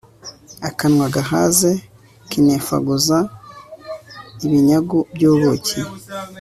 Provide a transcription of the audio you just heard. akanwa kahaze kinemfaguza ibinyagu by'ubuki